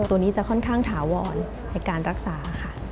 ตัวนี้จะค่อนข้างถาวรในการรักษาค่ะ